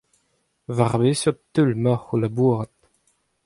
War beseurt teul emaocʼh o labourat ?